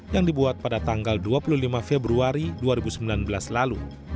yang dibuat pada tanggal dua puluh lima februari dua ribu sembilan belas lalu